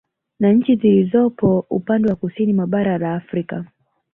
Na nchi zilizopo upande wa Kusini mwa bara la Afrika